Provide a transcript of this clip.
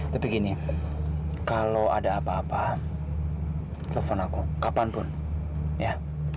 tapi gini kalau ada apa apa telpon aku kapanpun ya